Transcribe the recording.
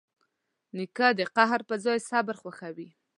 نیکه د قهر پر ځای صبر خوښوي.